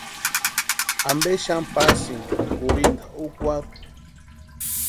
¿Ampe xani pasíni kurhinta úkwarhu?